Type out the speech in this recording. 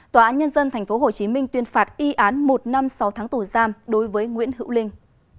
tòa án nhân dân tp hồ chí minh tuyên phạt y án một năm sau tháng tù giam đối với nguyễn hữu linh